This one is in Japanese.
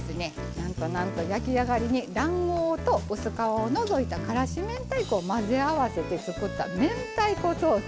なんとなんと焼き上がりに卵黄と薄皮を除いたからし明太子を混ぜ合わせて作った明太子ソース。